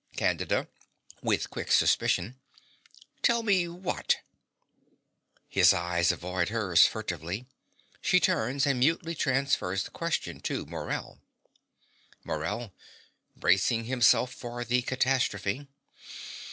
CANDIDA (with quick suspicion). Tell me what? (His eyes avoid hers furtively. She turns and mutely transfers the question to Morell.) MORELL (bracing himself for the catastrophe).